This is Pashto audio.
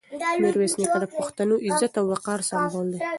میرویس نیکه د پښتنو د عزت او وقار سمبول دی.